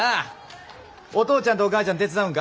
お父ちゃんとお母ちゃん手伝うんか？